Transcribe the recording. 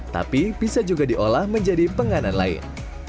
tapi bisa juga diolah menjadi penganan lain